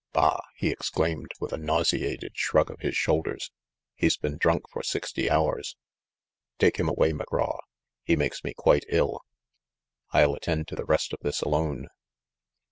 "Bah !" he exclaimed with a nauseated 58 THE MASTER OF MYSTERIES shrug of his shoulders, "he's been drunk for sixty hours. Take him away, McGraw. He makes me quite ill. I'll attend to the rest of this alone."